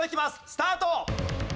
スタート！